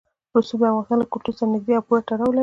رسوب د افغانستان له کلتور سره نږدې او پوره تړاو لري.